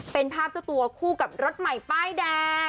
เป็นภาพเจ้าตัวคู่กับรถใหม่ป้ายแดง